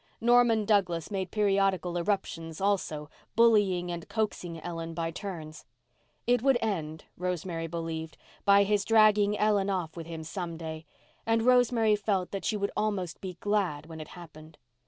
Norman Douglas made periodical irruptions also, bullying and coaxing Ellen by turns. It would end, Rosemary believed, by his dragging Ellen off with him some day, and Rosemary felt that she would be almost glad when it happened.